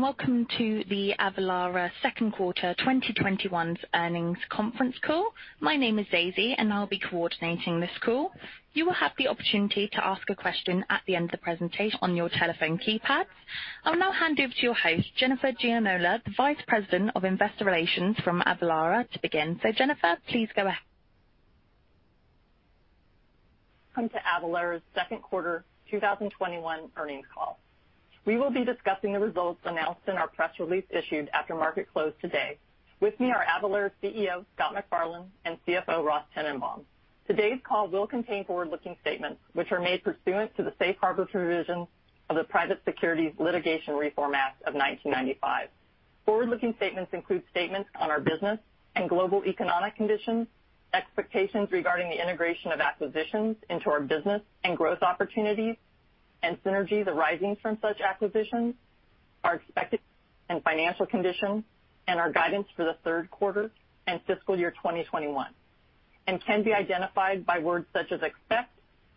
Welcome to the Avalara second quarter 2021 earnings conference call. My name is Daisy, and I'll be coordinating this call. You will have the opportunity to ask a question at the end of the presentation on your telephone keypad. I will now hand you over to your host, Jennifer Gianola, the Vice President of Investor Relations from Avalara to begin. Jennifer, please go ahead. Welcome to Avalara's second quarter 2021 earnings call. We will be discussing the results announced in our press release issued after market close today. With me are Avalara CEO, Scott McFarlane, and CFO, Ross Tennenbaum. Today's call will contain forward-looking statements, which are made pursuant to the safe harbor provisions of the Private Securities Litigation Reform Act of 1995. Forward-looking statements include statements on our business and global economic conditions, expectations regarding the integration of acquisitions into our business and growth opportunities and synergies arising from such acquisitions, our expected and financial conditions, and our guidance for the third quarter and fiscal year 2021, and can be identified by words such as "expect,"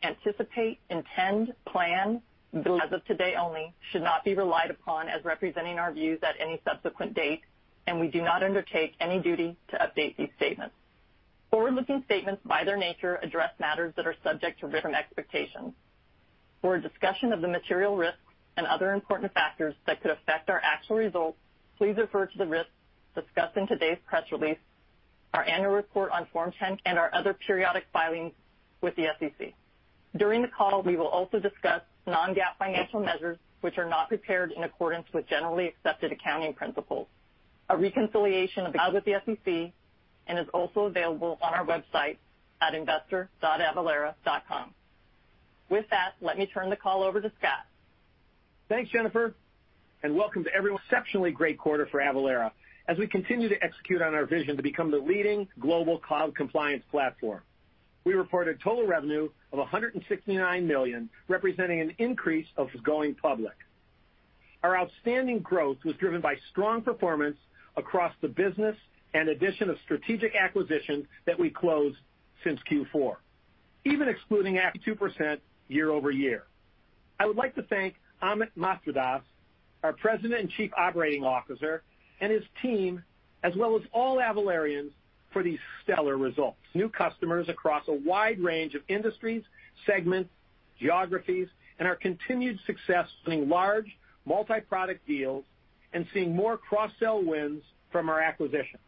"anticipate," "intend," "plan," "believe." As of today only, should not be relied upon as representing our views at any subsequent date, and we do not undertake any duty to update these statements. Forward-looking statements, by their nature, address matters that are subject to risks from expectations. For a discussion of the material risks and other important factors that could affect our actual results, please refer to the risks discussed in today's press release, our annual report on Form 10-K, and our other periodic filings with the SEC. During the call, we will also discuss non-GAAP financial measures, which are not prepared in accordance with generally accepted accounting principles. A reconciliation filed with the SEC and is also available on our website at investor.avalara.com. With that, let me turn the call over to Scott. Thanks, Jennifer, and welcome to everyone. Exceptionally great quarter for Avalara as we continue to execute on our vision to become the leading global cloud compliance platform. We reported total revenue of $169 million, representing an increase of going public. Our outstanding growth was driven by strong performance across the business and addition of strategic acquisitions that we closed since Q4. Even excluding 2% year-over-year. I would like to thank Amit Mathradas, our President and Chief Operating Officer, and his team, as well as all Avalarians for these stellar results. New customers across a wide range of industries, segments, geographies, and our continued success winning large multi-product deals and seeing more cross-sell wins from our acquisitions.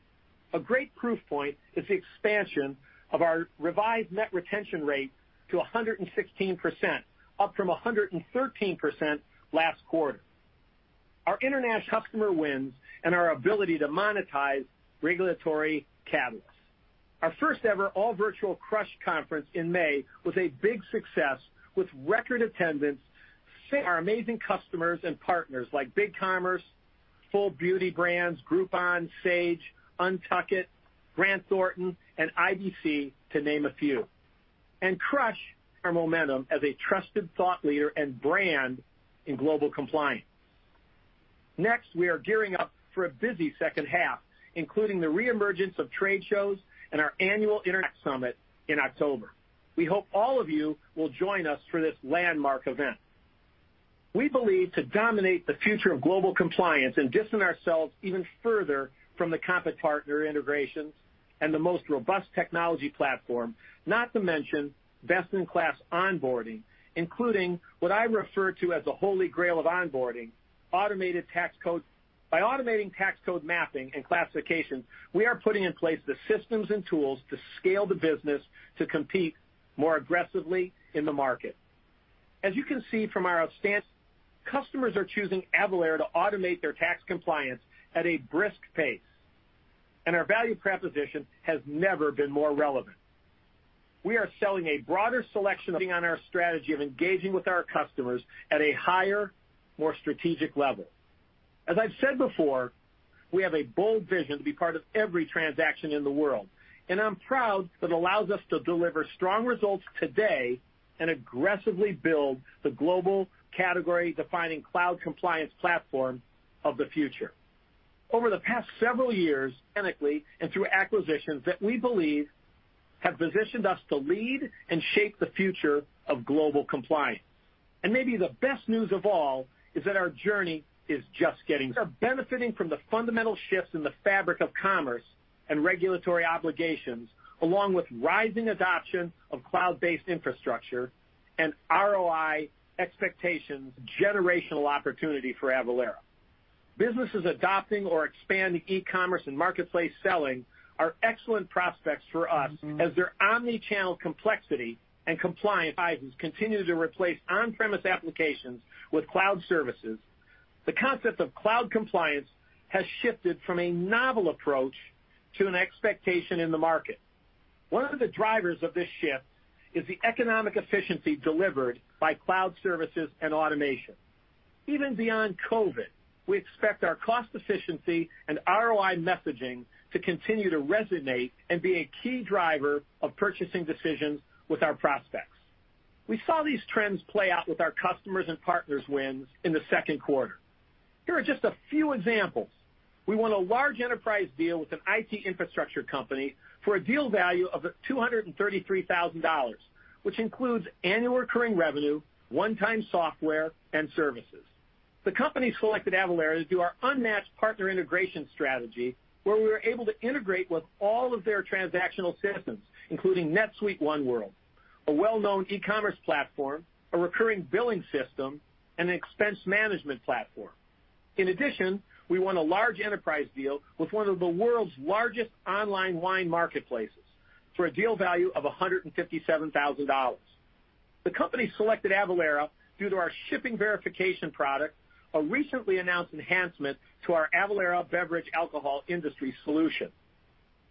A great proof point is the expansion of our revised net retention rate to 116%, up from 113% last quarter. Our international customer wins and our ability to monetize regulatory catalysts. Our first ever all virtual CRUSH Conference in May was a big success, with record attendance. Our amazing customers and partners like BigCommerce, FULLBEAUTY Brands, Groupon, Sage, UNTUCKit, Grant Thornton, and IDC, to name a few. CRUSH our momentum as a trusted thought leader and brand in global compliance. Next, we are gearing up for a busy second half, including the reemergence of trade shows and our annual Interact Summit in October. We hope all of you will join us for this landmark event. We believe to dominate the future of global compliance and distance ourselves even further from partner integrations and the most robust technology platform, not to mention best-in-class onboarding, including what I refer to as the Holy Grail of onboarding, automated tax code. By automating tax code mapping and classification, we are putting in place the systems and tools to scale the business to compete more aggressively in the market. Customers are choosing Avalara to automate their tax compliance at a brisk pace, and our value proposition has never been more relevant. Building on our strategy of engaging with our customers at a higher, more strategic level. As I've said before, we have a bold vision to be part of every transaction in the world, and I'm proud that allows us to deliver strong results today and aggressively build the global category-defining cloud compliance platform of the future, over the past several years, organically and through acquisitions that we believe have positioned us to lead and shape the future of global compliance. Maybe the best news of all is that our journey is just getting. We are benefiting from the fundamental shifts in the fabric of commerce and regulatory obligations, along with rising adoption of cloud-based infrastructure and ROI expectations. Generational opportunity for Avalara. Businesses adopting or expanding e-commerce and marketplace selling are excellent prospects for us as their omni-channel complexity and continue to replace on-premise applications with cloud services. The concept of cloud compliance has shifted from a novel approach to an expectation in the market. One of the drivers of this shift is the economic efficiency delivered by cloud services and automation. Even beyond COVID, we expect our cost efficiency and ROI messaging to continue to resonate and be a key driver of purchasing decisions with our prospects. We saw these trends play out with our customers and partners wins in the second quarter. Here are just a few examples. We won a large enterprise deal with an IT infrastructure company for a deal value of $233,000, which includes annual recurring revenue, one-time software, and services. The company selected Avalara due to our unmatched partner integration strategy, where we were able to integrate with all of their transactional systems, including NetSuite OneWorld, a well-known e-commerce platform, a recurring billing system, and an expense management platform. In addition, we won a large enterprise deal with one of the world's largest online wine marketplaces for a deal value of $157,000. The company selected Avalara due to our shipping verification product, a recently announced enhancement to our Avalara for Beverage Alcohol solution.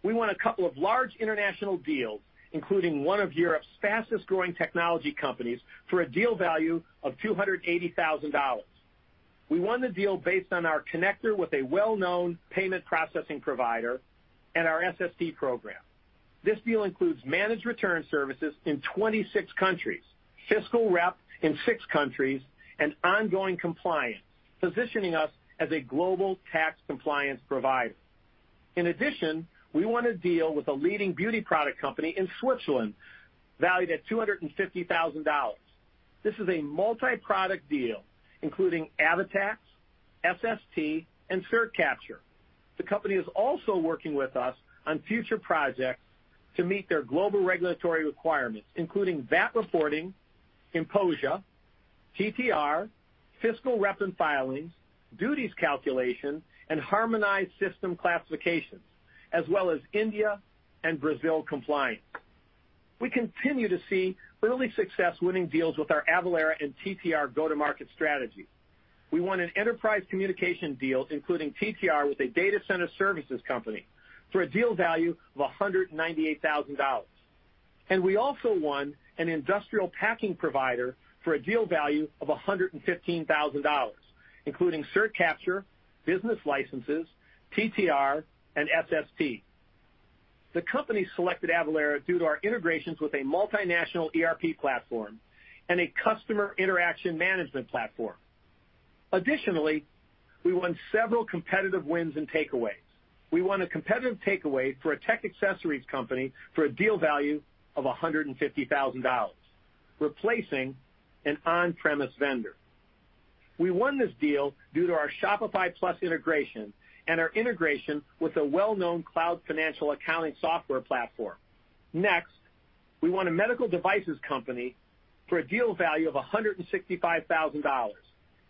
We won a couple of large international deals, including one of Europe's fastest-growing technology companies, for a deal value of $280,000. We won the deal based on our connector with a well-known payment processing provider and our SST program. This deal includes managed return services in 26 countries, fiscal rep in 6 countries, and ongoing compliance, positioning us as a global tax compliance provider. In addition, we won a deal with a leading beauty product company in Switzerland valued at $250,000. This is a multi-product deal, including AvaTax, SST, and CertCapture. The company is also working with us on future projects to meet their global regulatory requirements, including VAT reporting, INPOSIA, TTR, fiscal rep and filings, duties calculation, and harmonized system classifications, as well as India and Brazil compliance. We continue to see early success winning deals with our Avalara and TTR go-to-market strategy. We won an enterprise communication deal, including TTR, with a data center services company for a deal value of $198,000. We also won an industrial packing provider for a deal value of $115,000, including CertCapture, business licenses, TTR, and SST. The company selected Avalara due to our integrations with a multinational ERP platform and a customer interaction management platform. Additionally, we won several competitive wins and takeaways. We won a competitive takeaway for a tech accessories company for a deal value of $150,000, replacing an on-premise vendor. We won this deal due to our Shopify Plus integration and our integration with a well-known cloud financial accounting software platform. Next, we won a medical devices company for a deal value of $165,000,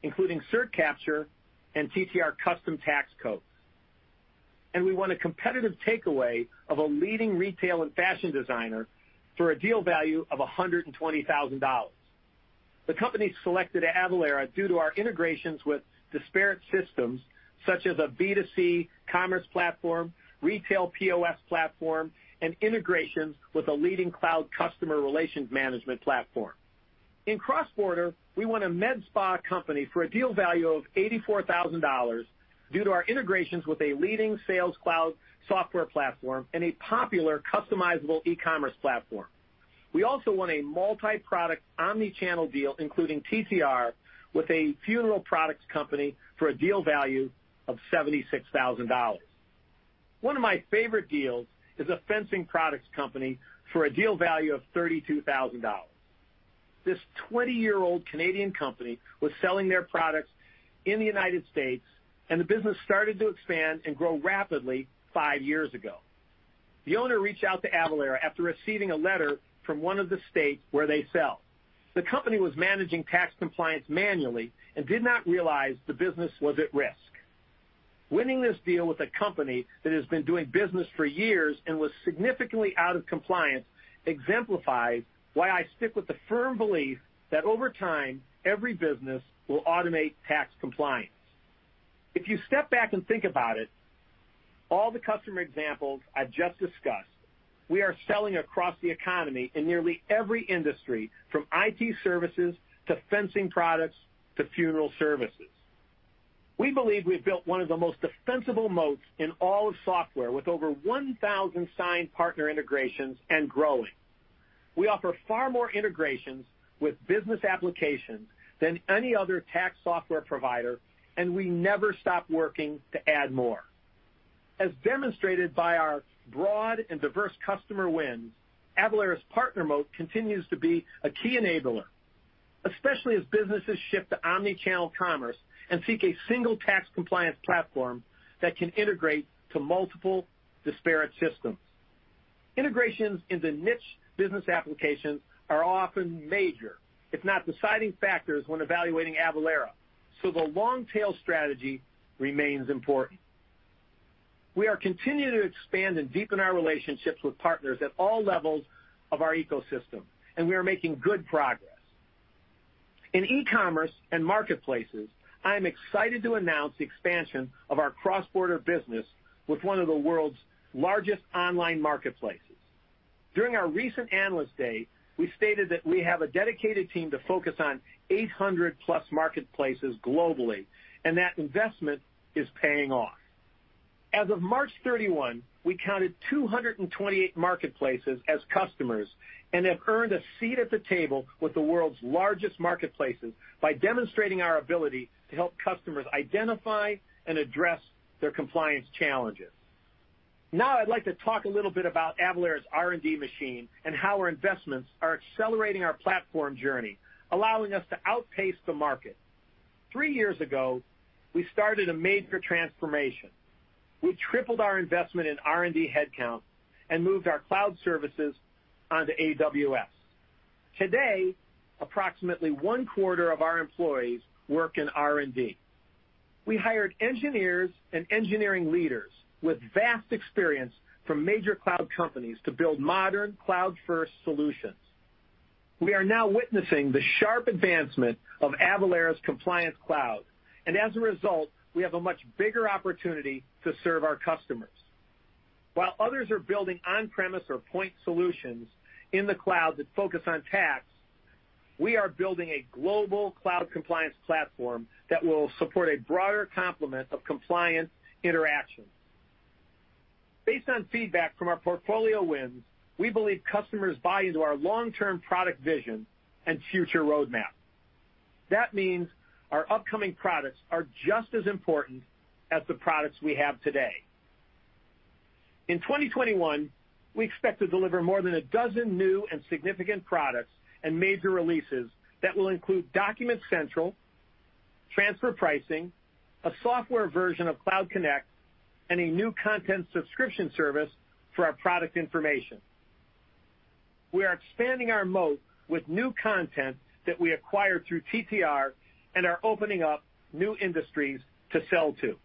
including CertCapture and TTR custom tax codes. We won a competitive takeaway of a leading retail and fashion designer for a deal value of $120,000. The company selected Avalara due to our integrations with disparate systems such as a B2C commerce platform, retail POS platform, and integrations with a leading cloud customer relations management platform. In cross-border, we won a med spa company for a deal value of $84,000 due to our integrations with a leading sales cloud software platform and a popular customizable e-commerce platform. We also won a multi-product omni-channel deal, including TTR, with a funeral products company for a deal value of $76,000. One of my favorite deals is a fencing products company for a deal value of $32,000. This 20-year-old Canadian company was selling their products in the United States, and the business started to expand and grow rapidly five years ago. The owner reached out to Avalara after receiving a letter from one of the states where they sell. The company was managing tax compliance manually and did not realize the business was at risk. Winning this deal with a company that has been doing business for years and was significantly out of compliance exemplifies why I stick with the firm belief that over time, every business will automate tax compliance. If you step back and think about it, all the customer examples I've just discussed, we are selling across the economy in nearly every industry, from IT services to fencing products to funeral services. We believe we've built one of the most defensible moats in all of software with over 1,000 signed partner integrations and growing. We offer far more integrations with business applications than any other tax software provider, and we never stop working to add more. As demonstrated by our broad and diverse customer wins, Avalara's partner moat continues to be a key enabler, especially as businesses shift to omni-channel commerce and seek a single tax compliance platform that can integrate to multiple disparate systems. Integrations into niche business applications are often major, if not deciding factors when evaluating Avalara, so the long-tail strategy remains important. We are continuing to expand and deepen our relationships with partners at all levels of our ecosystem, and we are making good progress. In e-commerce and marketplaces, I am excited to announce the expansion of our cross-border business with one of the world's largest online marketplaces. During our recent Analyst Day, we stated that we have a dedicated team to focus on 800-plus marketplaces globally. That investment is paying off. As of March 31, we counted 228 marketplaces as customers and have earned a seat at the table with the world's largest marketplaces by demonstrating our ability to help customers identify and address their compliance challenges. Now I'd like to talk a little bit about Avalara's R&D machine and how our investments are accelerating our platform journey, allowing us to outpace the market. Three years ago, we started a major transformation. We tripled our investment in R&D headcount and moved our cloud services onto AWS. Today, approximately 1/4 of our employees work in R&D. We hired engineers and engineering leaders with vast experience from major cloud companies to build modern cloud-first solutions. We are now witnessing the sharp advancement of Avalara's compliance cloud. As a result, we have a much bigger opportunity to serve our customers. While others are building on-premise or point solutions in the cloud that focus on tax, we are building a global cloud compliance platform that will support a broader complement of compliance interactions. Based on feedback from our portfolio wins, we believe customers buy into our long-term product vision and future roadmap. That means our upcoming products are just as important as the products we have today. In 2021, we expect to deliver more than 12 new and significant products and major releases that will include Document Central, transfer pricing, a software version of CloudConnect, and a new content subscription service for our product information. We are expanding our moat with new content that we acquired through TTR and are opening up new industries to sell to.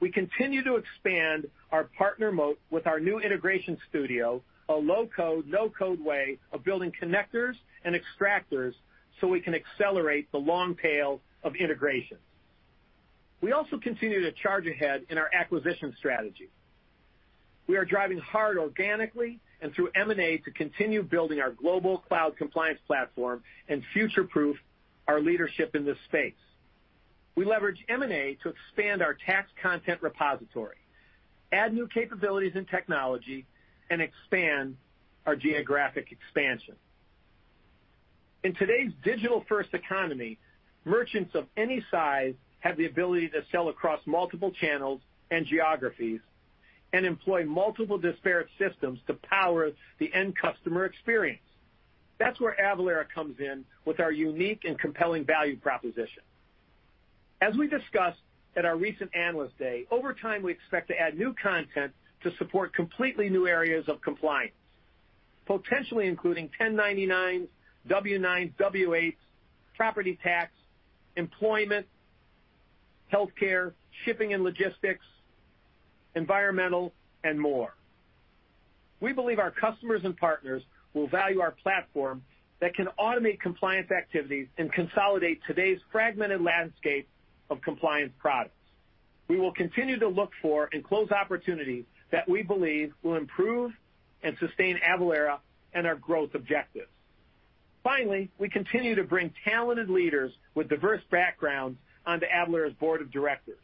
We continue to expand our partner moat with our new Integration Studio, a low-code, no-code way of building connectors and extractors so we can accelerate the long tail of integration. We also continue to charge ahead in our acquisition strategy. We are driving hard organically and through M&A to continue building our global cloud compliance platform and future-proof our leadership in this space. We leverage M&A to expand our tax content repository, add new capabilities and technology, and expand our geographic expansion. In today's digital-first economy, merchants of any size have the ability to sell across multiple channels and geographies and employ multiple disparate systems to power the end customer experience. That's where Avalara comes in with our unique and compelling value proposition. As we discussed at our recent analyst day, over time, we expect to add new content to support completely new areas of compliance, potentially including 1099s, W-9s, W-8s, property tax, employment, healthcare, shipping and logistics, environmental, and more. We believe our customers and partners will value our platform that can automate compliance activities and consolidate today's fragmented landscape of compliance products. We will continue to look for and close opportunities that we believe will improve and sustain Avalara and our growth objectives. Finally, we continue to bring talented leaders with diverse backgrounds onto Avalara's board of directors.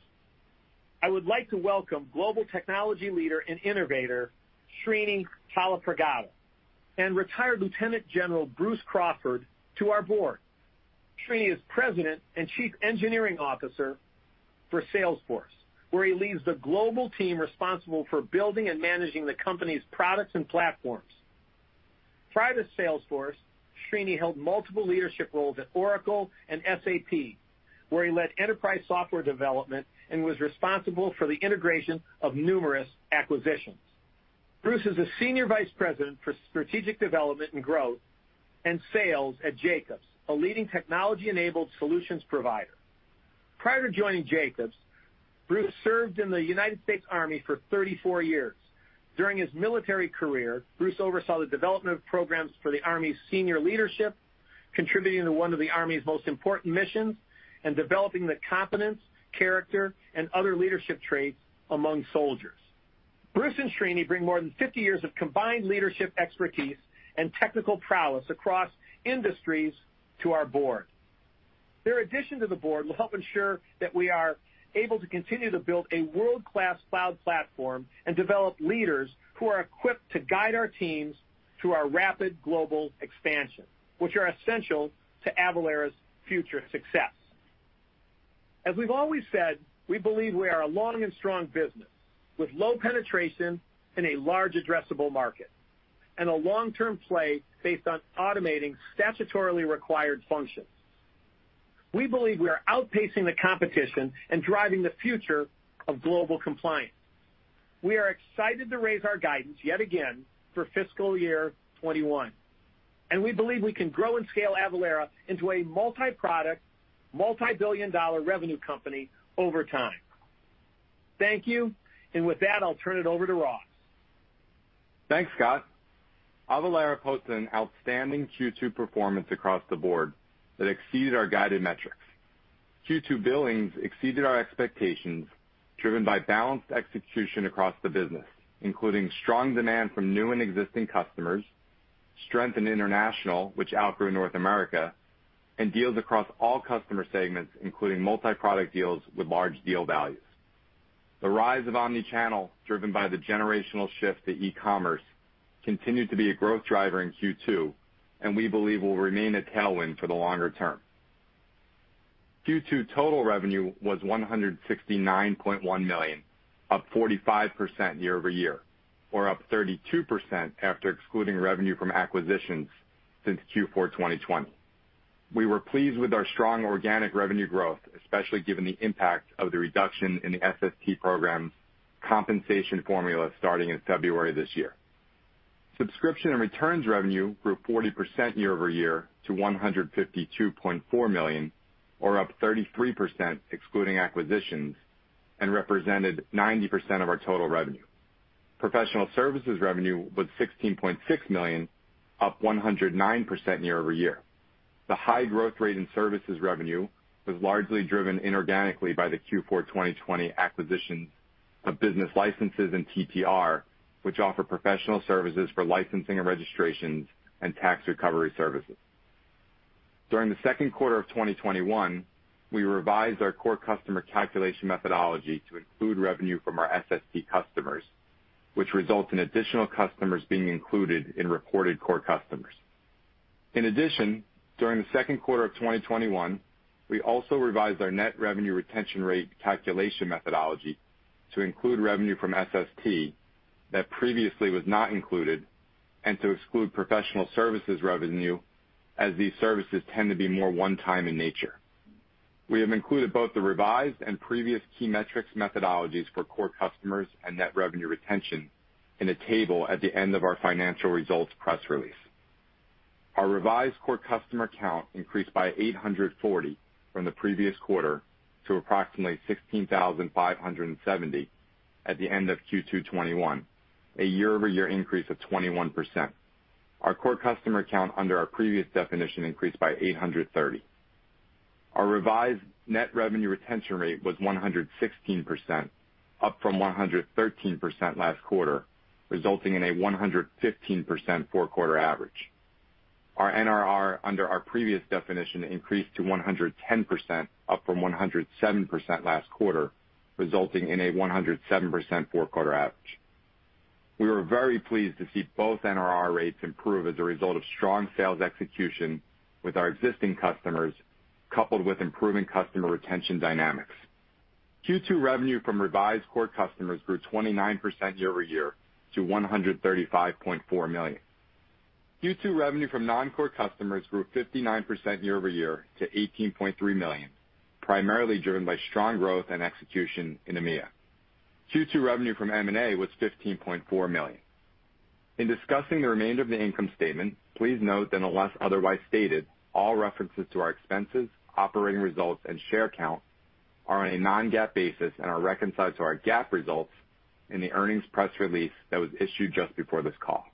I would like to welcome global technology leader and innovator, Srinivas Tallapragada, and retired Lieutenant General Bruce Crawford to our board. Srini is President and Chief Engineering Officer for Salesforce, where he leads the global team responsible for building and managing the company's products and platforms. Prior to Salesforce, Srini held multiple leadership roles at Oracle and SAP, where he led enterprise software development and was responsible for the integration of numerous acquisitions. Bruce is a senior vice president for strategic development and growth and sales at Jacobs, a leading technology-enabled solutions provider. Prior to joining Jacobs, Bruce served in the United States Army for 34 years. During his military career, Bruce oversaw the development of programs for the Army's senior leadership, contributing to one of the Army's most important missions, and developing the competence, character, and other leadership traits among soldiers. Bruce and Srini bring more than 50 years of combined leadership expertise and technical prowess across industries to our board. Their addition to the board will help ensure that we are able to continue to build a world-class cloud platform and develop leaders who are equipped to guide our teams through our rapid global expansion, which are essential to Avalara's future success. As we've always said, we believe we are a long and strong business with low penetration in a large addressable market and a long-term play based on automating statutorily required functions. We believe we are outpacing the competition and driving the future of global compliance. We are excited to raise our guidance yet again for fiscal year 2021, and we believe we can grow and scale Avalara into a multi-product, multi-billion-dollar revenue company over time. Thank you. With that, I'll turn it over to Ross. Thanks, Scott. Avalara posted an outstanding Q2 performance across the board that exceeded our guided metrics. Q2 billings exceeded our expectations, driven by balanced execution across the business, including strong demand from new and existing customers. Strength in international, which outgrew North America, and deals across all customer segments, including multi-product deals with large deal values. The rise of omni-channel, driven by the generational shift to e-commerce, continued to be a growth driver in Q2, and we believe will remain a tailwind for the longer term. Q2 total revenue was $169.1 million, up 45% year-over-year, or up 32% after excluding revenue from acquisitions since Q4 2020. We were pleased with our strong organic revenue growth, especially given the impact of the reduction in the SST program compensation formula starting in February this year. Subscription and returns revenue grew 40% year-over-year to $152.4 million, or up 33% excluding acquisitions, and represented 90% of our total revenue. Professional services revenue was $16.6 million, up 109% year-over-year. The high growth rate in services revenue was largely driven inorganically by the Q4 2020 acquisition of business Licenses and TTR, which offer professional services for licensing and registrations and tax recovery services. During the second quarter of 2021, we revised our core customer calculation methodology to include revenue from our SST customers, which results in additional customers being included in reported core customers. During the second quarter of 2021, we also revised our net revenue retention rate calculation methodology to include revenue from SST that previously was not included, and to exclude professional services revenue, as these services tend to be more one-time in nature. We have included both the revised and previous key metrics methodologies for core customers and net revenue retention in a table at the end of our financial results press release. Our revised core customer count increased by 840 from the previous quarter to approximately 16,570 at the end of Q2 2021, a year-over-year increase of 21%. Our core customer count under our previous definition increased by 830. Our revised net revenue retention rate was 116%, up from 113% last quarter, resulting in a 115% four-quarter average. Our NRR under our previous definition increased to 110%, up from 107% last quarter, resulting in a 107% four-quarter average. We were very pleased to see both NRR rates improve as a result of strong sales execution with our existing customers, coupled with improving customer retention dynamics. Q2 revenue from revised core customers grew 29% year-over-year to $135.4 million. Q2 revenue from non-core customers grew 59% year-over-year to $18.3 million, primarily driven by strong growth and execution in EMEA. Q2 revenue from M&A was $15.4 million. In discussing the remainder of the income statement, please note that unless otherwise stated, all references to our expenses, operating results, and share count are on a non-GAAP basis and are reconciled to our GAAP results in the earnings press release that was issued just before this call.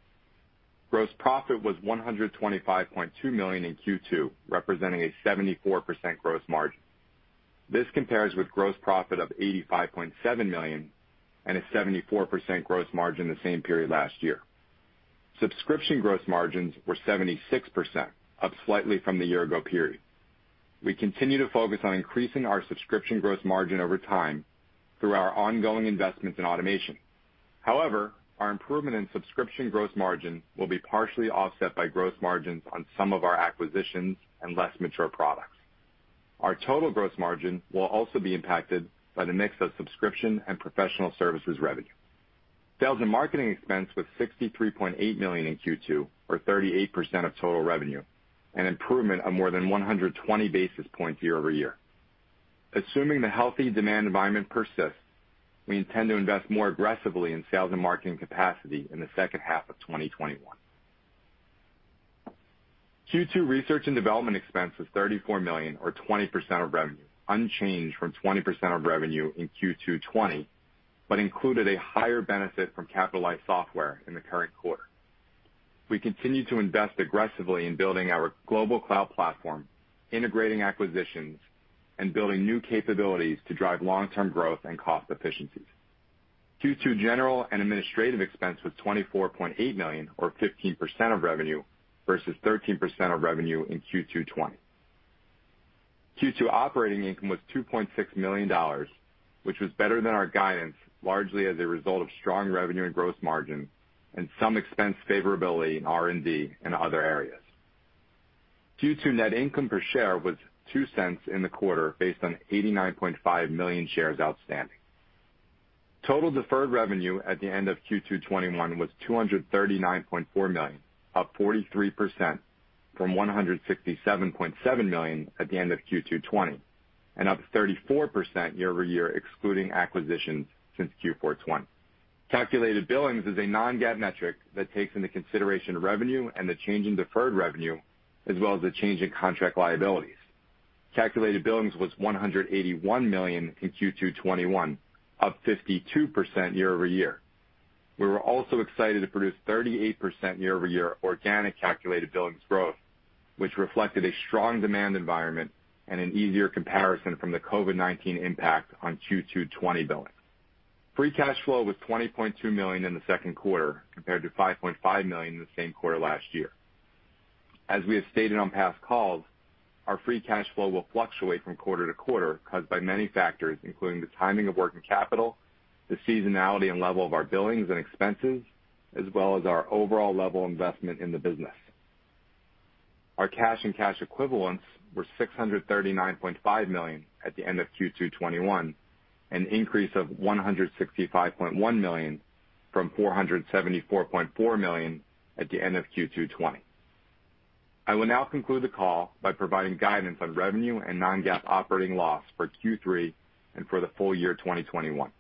Gross profit was $125.2 million in Q2, representing a 74% gross margin. This compares with gross profit of $85.7 million and a 74% gross margin the same period last year. Subscription gross margins were 76%, up slightly from the year ago period. We continue to focus on increasing our subscription gross margin over time through our ongoing investments in automation. Our improvement in subscription gross margin will be partially offset by gross margins on some of our acquisitions and less mature products. Our total gross margin will also be impacted by the mix of subscription and professional services revenue. Sales and marketing expense was $63.8 million in Q2, or 38% of total revenue, an improvement of more than 120 basis points year-over-year. Assuming the healthy demand environment persists, we intend to invest more aggressively in sales and marketing capacity in the second half of 2021. Q2 research and development expense was $34 million, or 20% of revenue. Unchanged from 20% of revenue in Q2 2020, but included a higher benefit from capitalized software in the current quarter. We continue to invest aggressively in building our global cloud platform, integrating acquisitions, and building new capabilities to drive long-term growth and cost efficiencies. Q2 general and administrative expense was $24.8 million, or 15% of revenue versus 13% of revenue in Q2 2020. Q2 operating income was $2.6 million, which was better than our guidance, largely as a result of strong revenue and gross margin and some expense favorability in R&D and other areas. Q2 net income per share was $0.02 in the quarter, based on 89.5 million shares outstanding. Total deferred revenue at the end of Q2 2021 was $239.4 million, up 43% from $167.7 million at the end of Q2 2020, and up 34% year over year, excluding acquisitions since Q4 2020. Calculated billings is a non-GAAP metric that takes into consideration revenue and the change in deferred revenue, as well as the change in contract liabilities. Calculated billings was $181 million in Q2 2021, up 52% year over year. We were also excited to produce 38% year-over-year organic calculated billings growth, which reflected a strong demand environment and an easier comparison from the COVID-19 impact on Q2 '20 billings. Free cash flow was $20.2 million in the second quarter, compared to $5.5 million in the same quarter last year. As we have stated on past calls, our free cash flow will fluctuate from quarter to quarter, caused by many factors, including the timing of working capital, the seasonality and level of our billings and expenses, as well as our overall level investment in the business. Our cash and cash equivalents were $639.5 million at the end of Q2 2021, an increase of $165.1 million from $474.4 million at the end of Q2 '20. I will now conclude the call by providing guidance on revenue and non-GAAP operating loss for Q3 and for the full year 2021.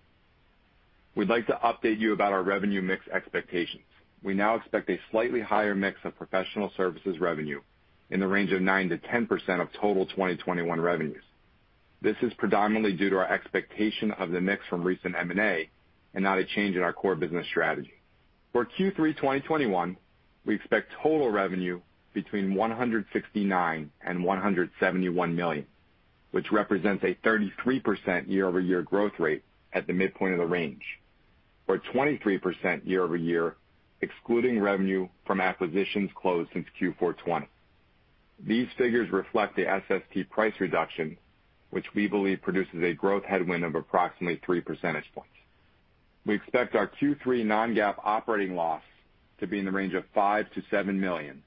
We'd like to update you about our revenue mix expectations. We now expect a slightly higher mix of professional services revenue in the range of 9%-10% of total 2021 revenues. This is predominantly due to our expectation of the mix from recent M&A and not a change in our core business strategy. For Q3 2021, we expect total revenue between $169 million-$171 million, which represents a 33% year-over-year growth rate at the midpoint of the range, or 23% year-over-year, excluding revenue from acquisitions closed since Q4 2020. These figures reflect the SST price reduction, which we believe produces a growth headwind of approximately 3 percentage points. We expect our Q3 non-GAAP operating loss to be in the range of $5 million-$7 million,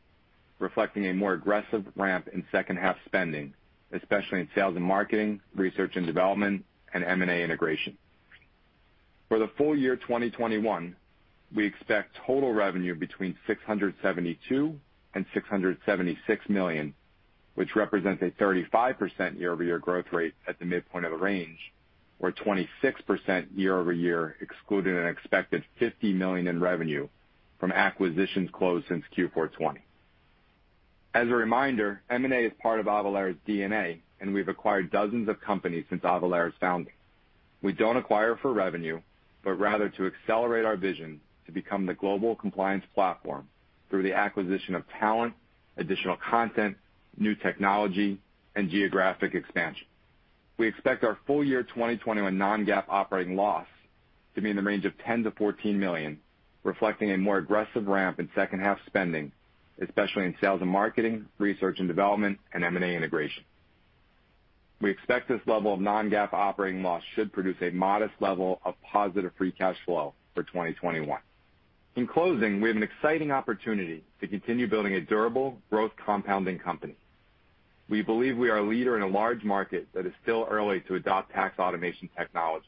reflecting a more aggressive ramp in second half spending, especially in sales and marketing, research and development, and M&A integration. For the full year 2021, we expect total revenue between $672 million-$676 million, which represents a 35% year-over-year growth rate at the midpoint of the range, or 26% year-over-year, excluding an expected $50 million in revenue from acquisitions closed since Q4 2020. As a reminder, M&A is part of Avalara's DNA, and we've acquired dozens of companies since Avalara's founding. We don't acquire for revenue, but rather to accelerate our vision to become the global compliance platform through the acquisition of talent, additional content, new technology, and geographic expansion. We expect our full year 2021 non-GAAP operating loss to be in the range of $10 million-$14 million, reflecting a more aggressive ramp in second half spending, especially in sales and marketing, research and development, and M&A integration. We expect this level of non-GAAP operating loss should produce a modest level of positive free cash flow for 2021. In closing, we have an exciting opportunity to continue building a durable growth compounding company. We believe we are a leader in a large market that is still early to adopt tax automation technology.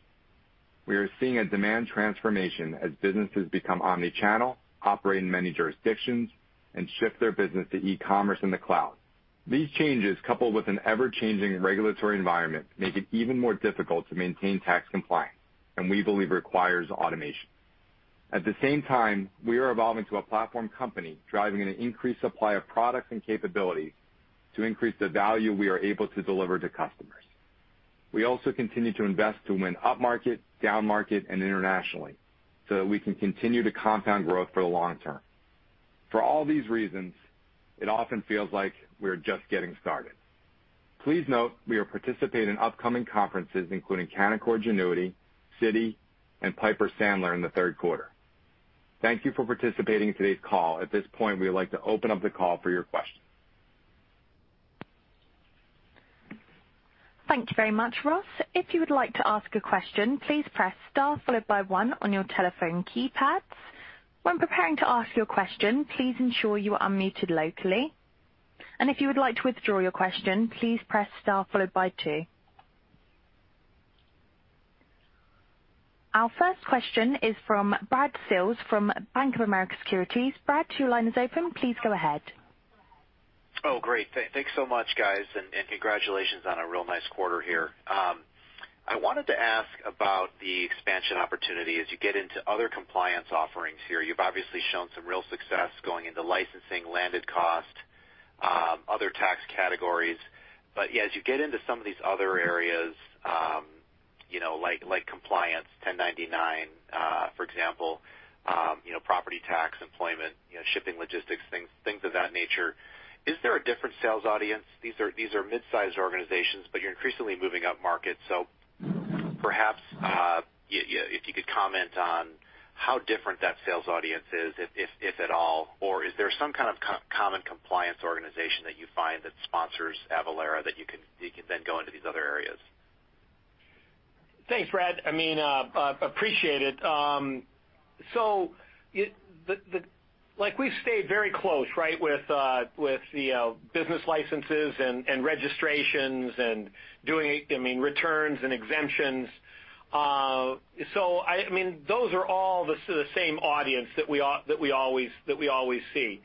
We are seeing a demand transformation as businesses become omni-channel, operate in many jurisdictions, and shift their business to ecommerce in the cloud. These changes, coupled with an ever-changing regulatory environment, make it even more difficult to maintain tax compliance and we believe requires automation. At the same time, we are evolving to a platform company, driving an increased supply of products and capabilities to increase the value we are able to deliver to customers. We also continue to invest to win up-market, down-market, and internationally so that we can continue to compound growth for the long term. For all these reasons, it often feels like we're just getting started. Please note, we will participate in upcoming conferences, including Canaccord Genuity, Citi, and Piper Sandler in the third quarter. Thank you for participating in today's call. At this point, we would like to open up the call for your questions. Thank you very much, Ross. If you would like to ask a question, please press star followed by one on your telephone keypad. When preparing to ask your question, please ensure you are unmuted locally. And if you would like to withdraw your question, please press star followed by two. Our first question is from Brad Sills from Bank of America Securities. Brad, your line is open. Please go ahead. Great. Thanks so much, guys. Congratulations on a real nice quarter here. I wanted to ask about the expansion opportunity as you get into other compliance offerings here. You've obviously shown some real success going into licensing, landed cost, other tax categories. Yeah, as you get into some of these other areas, like compliance, 1099 for example, property tax, employment, shipping, logistics, things of that nature, is there a different sales audience? These are mid-sized organizations, but you're increasingly moving up market. Perhaps, if you could comment on how different that sales audience is, if at all, or is there some kind of common compliance organization that you find that sponsors Avalara that you can then go into these other areas? Thanks, Brad. Appreciate it. We've stayed very close with the business licenses and registrations and doing returns and exemptions. Those are all the same audience that we always see.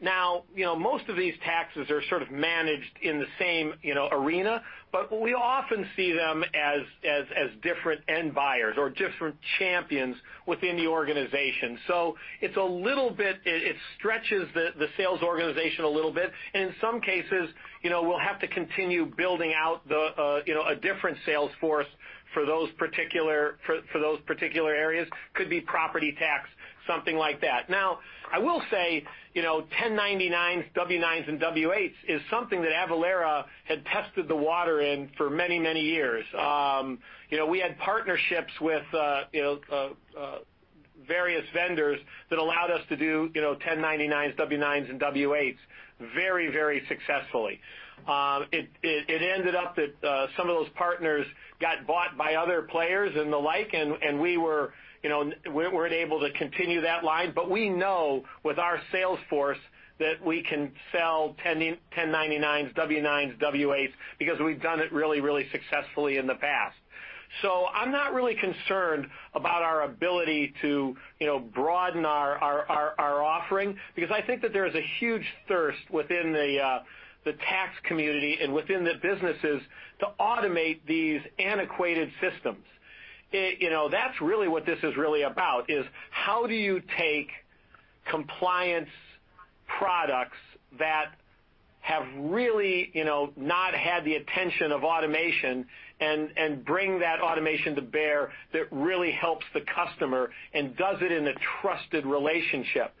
Most of these taxes are sort of managed in the same arena, but we often see them as different end buyers or different champions within the organization. It stretches the sales organization a little bit. In some cases, we'll have to continue building out a different sales force for those particular areas. Could be property tax, something like that. I will say, 1099s, W-9s and W-8s is something that Avalara had tested the water in for many, many years. various vendors that allowed us to do 1099s, W-9s, and W-8s very, very successfully. It ended up that some of those partners got bought by other players and the like, and we weren't able to continue that line. We know with our sales force that we can sell 1099s, W-9s, W-8s, because we've done it really, really successfully in the past. I'm not really concerned about our ability to broaden our offering, because I think that there is a huge thirst within the tax community and within the businesses to automate these antiquated systems. That's really what this is really about, is how do you take compliance products that have really not had the attention of automation and bring that automation to bear that really helps the customer and does it in a trusted relationship.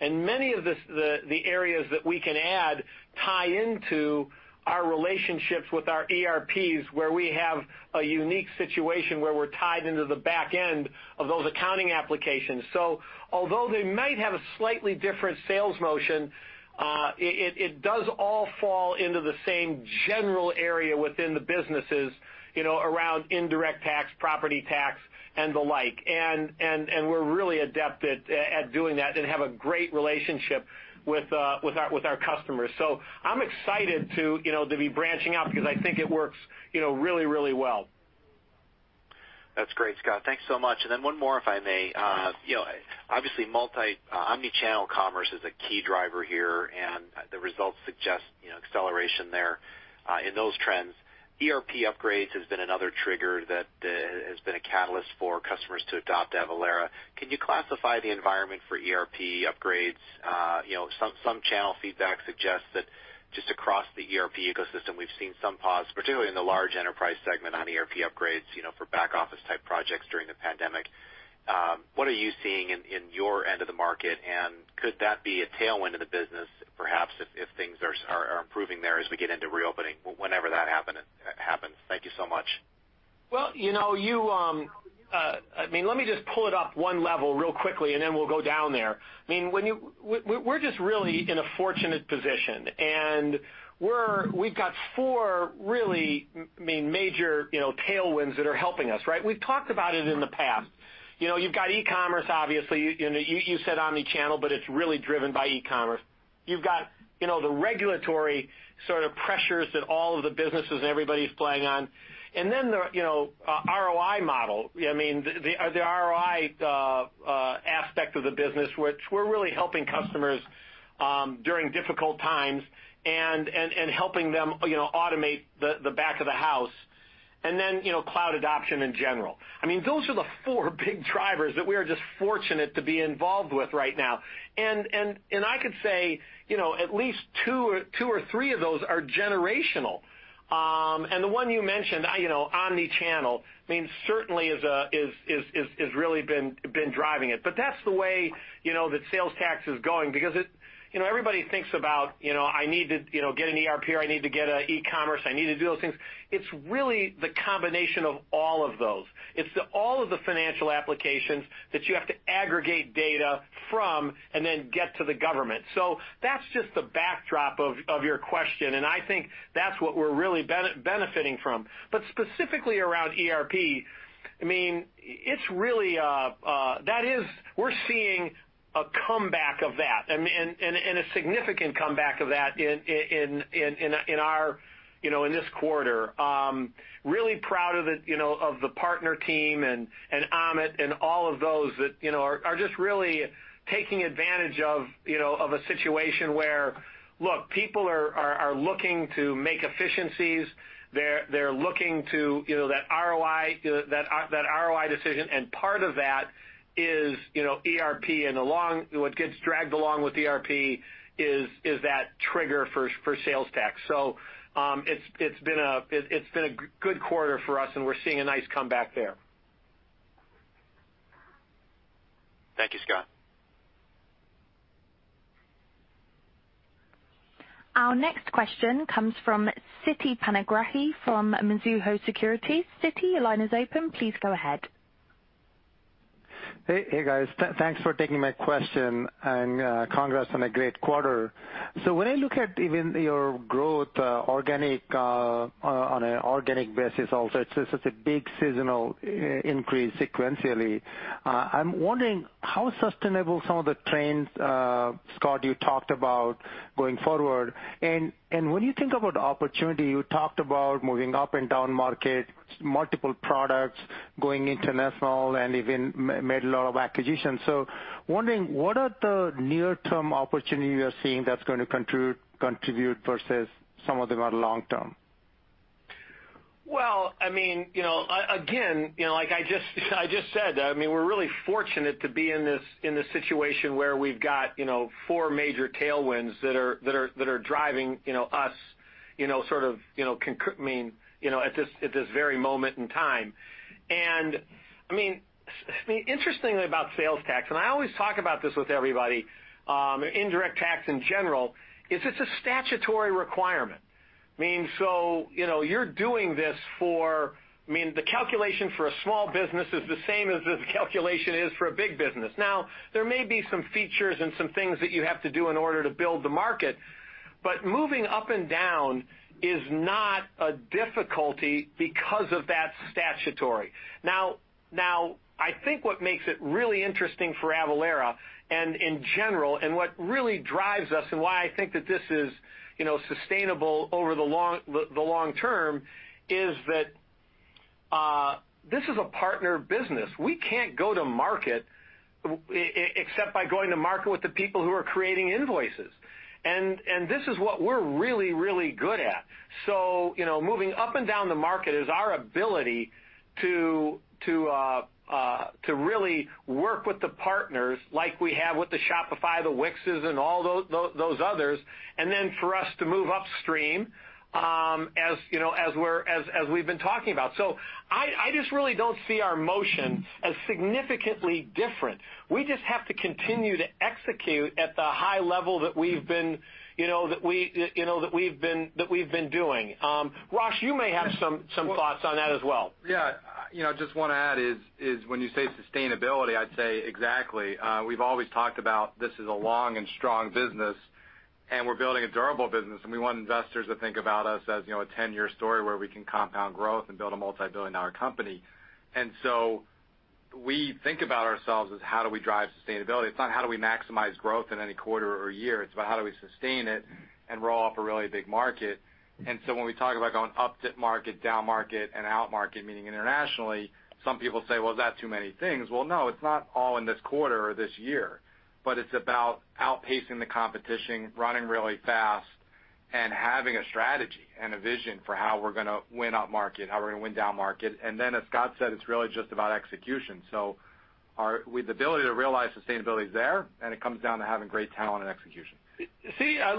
Many of the areas that we can add tie into our relationships with our ERPs, where we have a unique situation where we're tied into the back end of those accounting applications. Although they might have a slightly different sales motion, it does all fall into the same general area within the businesses, around indirect tax, property tax, and the like. We're really adept at doing that and have a great relationship with our customers. I'm excited to be branching out because I think it works really, really well. That's great, Scott. Thanks so much. Then one more, if I may. Yeah. Obviously, omnichannel commerce is a key driver here, and the results suggest acceleration there in those trends. ERP upgrades has been another trigger that has been a catalyst for customers to adopt Avalara. Can you classify the environment for ERP upgrades? Some channel feedback suggests that just across the ERP ecosystem, we've seen some pause, particularly in the large enterprise segment on ERP upgrades, for back office type projects during the pandemic. What are you seeing in your end of the market, and could that be a tailwind of the business perhaps if things are improving there as we get into reopening, whenever that happens? Thank you so much. Let me just pull it up one level real quickly, we'll go down there. We're just really in a fortunate position, we've got four really major tailwinds that are helping us, right? We've talked about it in the past. You've got e-commerce, obviously. You said omnichannel, it's really driven by e-commerce. You've got the regulatory sort of pressures that all of the businesses and everybody's playing on. The ROI model. The ROI aspect of the business, which we're really helping customers during difficult times and helping them automate the back of the house. Cloud adoption in general. Those are the four big drivers that we are just fortunate to be involved with right now. I could say at least two or three of those are generational. The one you mentioned, omnichannel, certainly has really been driving it. That's the way the sales tax is going because everybody thinks about, "I need to get an ERP, or I need to get an ecommerce. I need to do those things." It's really the combination of all of those. It's all of the financial applications that you have to aggregate data from and then get to the government. That's just the backdrop of your question, and I think that's what we're really benefiting from. Specifically around ERP, we're seeing a comeback of that, and a significant comeback of that in this quarter. Really proud of the partner team and Amit and all of those that are just really taking advantage of a situation where, look, people are looking to make efficiencies. They're looking to that ROI decision, and part of that is ERP. What gets dragged along with ERP is that trigger for sales tax. It's been a good quarter for us, and we're seeing a nice comeback there. Thank you, Scott. Our next question comes from Siti Panigrahi from Mizuho Securities. Siti, your line is open. Please go ahead. Hey, guys. Thanks for taking my question, and congrats on a great quarter. When I look at even your growth on an organic basis also, it's a big seasonal increase sequentially. I'm wondering how sustainable some of the trends, Scott, you talked about going forward. When you think about opportunity, you talked about moving up and down market, multiple products, going international, and even made a lot of acquisitions. Wondering, what are the near-term opportunities you're seeing that's going to contribute versus some of them are long term? Well, again, like I just said, we're really fortunate to be in this situation where we've got four major tailwinds that are driving us at this very moment in time. Interestingly about sales tax, I don't always talk about this with everybody, indirect tax in general, is it's a statutory requirement. I mean, so you're doing this, the calculation for a small business is the same as the calculation is for a big business. There may be some features and some things that you have to do in order to build the market, but moving up and down is not a difficulty because of that statutory. I think what makes it really interesting for Avalara, and in general, and what really drives us and why I think that this is sustainable over the long term is that this is a partner business. We can't go to market except by going to market with the people who are creating invoices. This is what we're really, really good at. Moving up and down the market is our ability to really work with the partners like we have with the Shopify, the Wix, and all those others, and then for us to move upstream, as we've been talking about. I just really don't see our motion as significantly different. We just have to continue to execute at the high level that we've been doing. Ross, you may have some thoughts on that as well. Yeah. Just want to add is, when you say sustainability, I'd say exactly. We've always talked about this is a long and strong business, and we're building a durable business, and we want investors to think about us as a 10-year story where we can compound growth and build a multi-billion dollar company. We think about ourselves as how do we drive sustainability? It's not how do we maximize growth in any quarter or year, it's about how do we sustain it and roll up a really big market. When we talk about going up-market, down-market and out-market, meaning internationally, some people say, "Well, is that too many things?" No, it's not all in this quarter or this year, but it's about outpacing the competition, running really fast, and having a strategy and a vision for how we're going to win up market, how we're going to win down market. As Scott said, it's really just about execution. The ability to realize sustainability is there, and it comes down to having great talent and execution.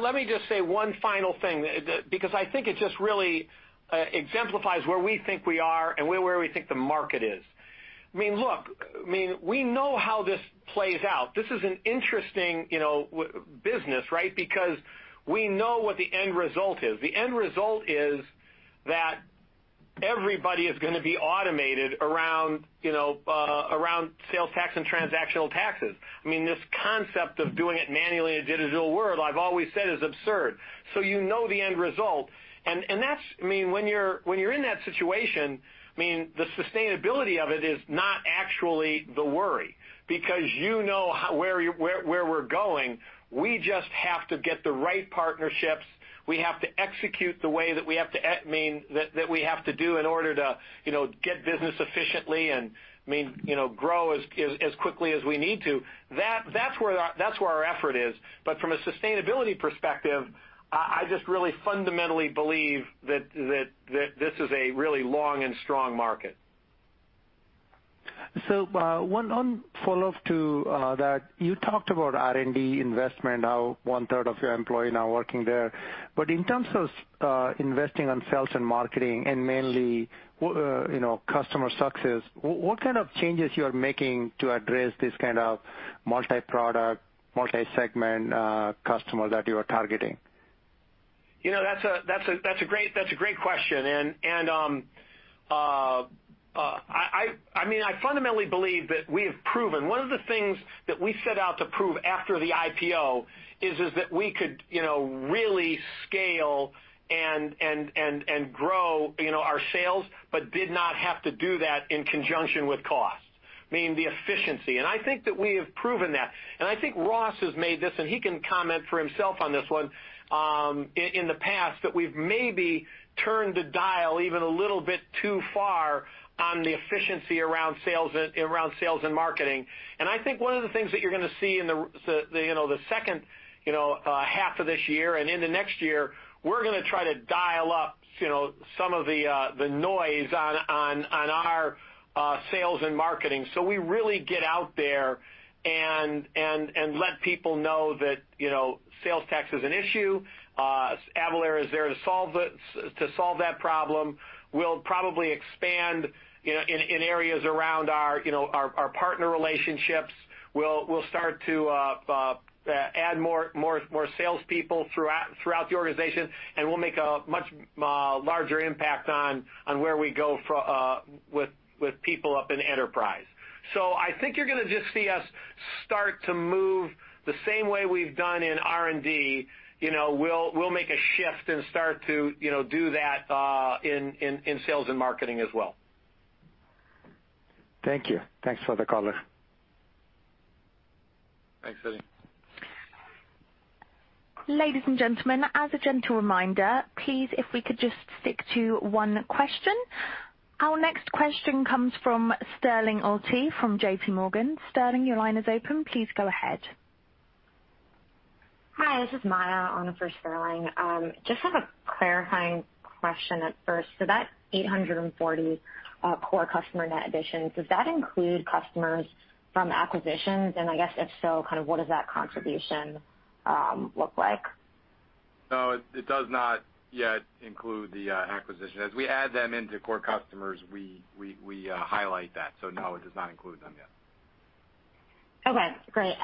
Let me just say one final thing, because I think it just really exemplifies where we think we are and where we think the market is. I mean, look, we know how this plays out. This is an interesting business, right? We know what the end result is. The end result is that everybody is going to be automated around sales tax and transactional taxes. I mean, this concept of doing it manually in a digital world, I've always said is absurd. You know the end result. When you're in that situation, the sustainability of it is not actually the worry, because you know where we're going. We just have to get the right partnerships. We have to execute the way that we have to do in order to get business efficiently and grow as quickly as we need to. That's where our effort is. From a sustainability perspective, I just really fundamentally believe that this is a really long and strong market. One follow-up to that. You talked about R&D investment, how 1/3 of your employee now working there. In terms of investing on sales and marketing and mainly customer success, what kind of changes you are making to address this kind of multi-product, multi-segment customer that you are targeting? That's a great question, and I fundamentally believe that we have proven. One of the things that we set out to prove after the IPO is that we could really scale and grow our sales, but did not have to do that in conjunction with cost, meaning the efficiency. I think that we have proven that. I think Ross has made this, and he can comment for himself on this one, in the past, that we've maybe turned the dial even a little bit too far on the efficiency around sales and marketing. I think one of the things that you're going to see in the second half of this year and into next year, we're going to try to dial up some of the noise on our sales and marketing. We really get out there and let people know that sales tax is an issue. Avalara is there to solve that problem. We'll probably expand in areas around our partner relationships. We'll start to add more salespeople throughout the organization, and we'll make a much larger impact on where we go with people up in enterprise. I think you're going to just see us start to move the same way we've done in R&D. We'll make a shift and start to do that in sales and marketing as well. Thank you. Thanks for the color. Thanks, Siti. Ladies and gentlemen, as a gentle reminder, please, if we could just stick to one question. Our next question comes from Sterling Auty from JPMorgan. Sterling, your line is open. Please go ahead. Hi, this is Maya on for Sterling. Just have a clarifying question at first. That 840 core customer net addition, does that include customers from acquisitions? I guess if so, kind of what does that contribution look like? No, it does not yet include the acquisition. As we add them into core customers, we highlight that. No, it does not include them yet. Okay, great.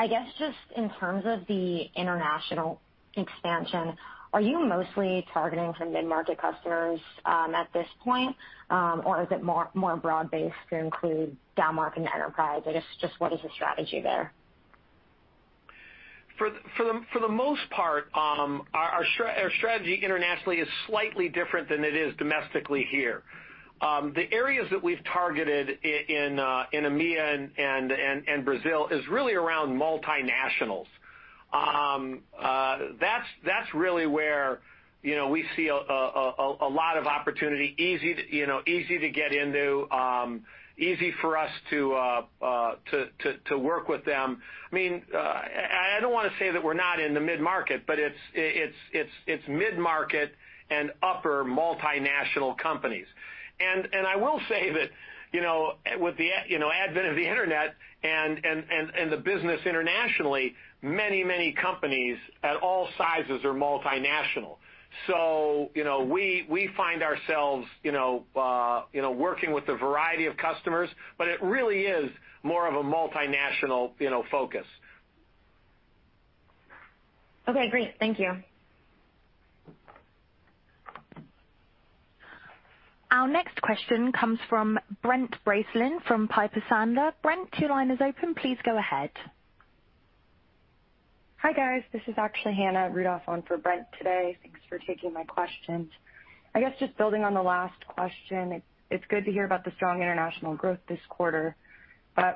I guess just in terms of the international expansion, are you mostly targeting for mid-market customers at this point? Is it more broad-based to include downmarket enterprise? What is the strategy there? For the most part, our strategy internationally is slightly different than it is domestically here. The areas that we've targeted in EMEA and Brazil is really around multinationals. That's really where we see a lot of opportunity. Easy to get into, easy for us to work with them. I don't want to say that we're not in the mid-market, but it's mid-market and upper multinational companies. I will say that, with the advent of the Internet and the business internationally, many companies at all sizes are multinational. We find ourselves working with a variety of customers, but it really is more of a multinational focus. Okay, great. Thank you. Our next question comes from Brent Bracelin from Piper Sandler. Brent, your line is open. Please go ahead. Hi, guys. This is actually Hannah Rudoff on for Brent today. Thanks for taking my questions. I guess just building on the last question, it's good to hear about the strong international growth this quarter.